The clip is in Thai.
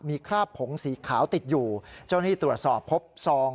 มีคราบผงสีขาวติดอยู่เจ้าหน้าที่ตรวจสอบพบซอง